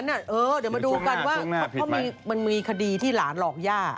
เดี๋ยวมาดูกันว่าเพราะมันมีคดีที่หลานหลอกย่า